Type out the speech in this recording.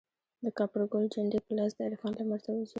دکاپرګل جنډې په لاس دعرفان لمرته ورځو